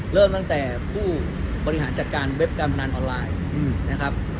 เริ่มตั้งแต่ผู้บริหารจัดการเว็บการพนันออนไลน์นะครับ